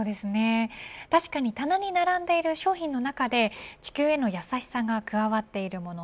確かに棚に並んでいる商品の中で地球への優しさが加わっているもの